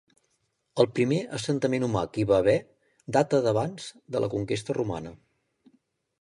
El primer assentament humà que hi va haver data d'abans de la conquesta romana.